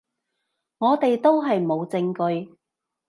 我哋都係冇證據